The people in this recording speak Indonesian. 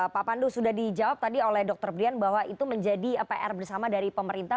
pak pandu sudah dijawab tadi oleh dr brian bahwa itu menjadi pr bersama dari pemerintah